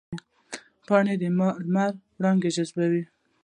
پاڼې د لمر وړانګې جذبوي